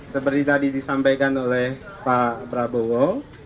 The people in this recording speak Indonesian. seperti tadi disampaikan oleh pak prabowo